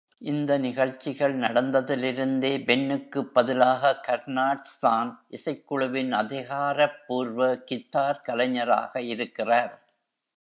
இந்த நிகழ்ச்சிகள் நடந்ததிலிருந்தே, பென்னுக்கு பதிலாக கர்னாட்ஸ் தான் இசைக்குழுவின் அதிகாரப்பூர்வ கிதார் கலைஞராக இருக்கிறார்.